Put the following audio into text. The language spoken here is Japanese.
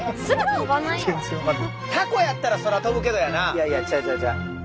いやいやちゃうちゃうちゃう。